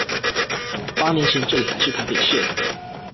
八年前這裡還是臺北縣